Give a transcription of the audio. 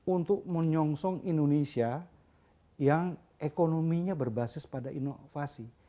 untuk menyongsong indonesia yang ekonominya berbasis pada inovasi